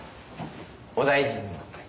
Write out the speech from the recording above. お大事に。